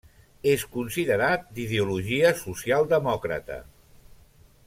És considerat d'ideologia socialdemòcrata.